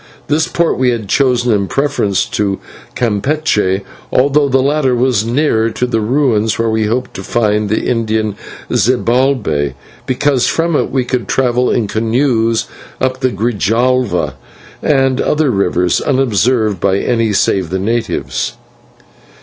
This port we had chosen in preference to Campeche, although the latter was nearer to the ruins where we hoped to find the Indian Zibalbay, because from it we could travel in canoes up the Grijalva and other rivers, unobserved by any save the natives.